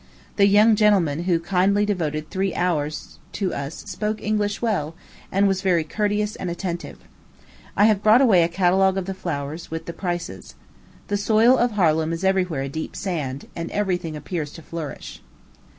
The young gentleman who kindly devoted three hours to us spoke English well, and was very courteous and attentive. I have brought away a catalogue of the flowers, with the prices. The soil of Harlem is every where a deep sand, and every thing appears to flourish.